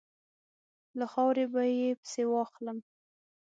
له خاورې به یې پسي واخلم.